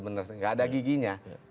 nggak ada giginya